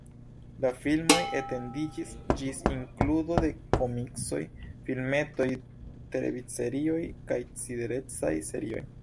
La filmoj etendiĝis ĝis inkludo de komiksoj, filmetoj, televidserioj kaj ciferecaj serioj.